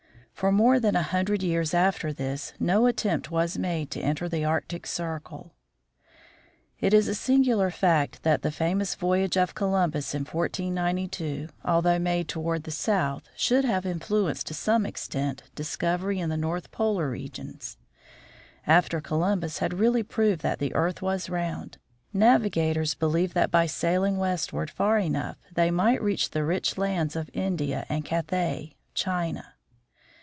For more than a hundred years after this no attempt was made to enter the Arctic circle. It is a singular fact that the famous voyage of Columbus in 1492, although made toward the south, should have influenced to some extent discovery in the north polar regions. After Columbus had really proved that the earth was round, navigators believed that by sailing westward far enough they might reach the rich lands of India and Cathay (China).